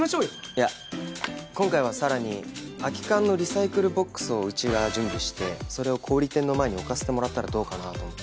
いや今回はさらに空き缶のリサイクルボックスをうちが準備してそれを小売店の前に置かせてもらったらどうかなと思って。